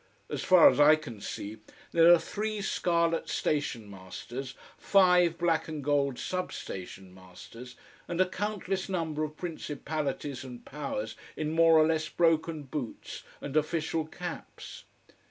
As far as I can see, there are three scarlet station masters, five black and gold substation masters, and a countless number of principalities and powers in more or less broken boots and official caps.